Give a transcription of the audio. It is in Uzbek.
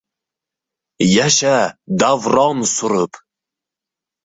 Yasha davron surib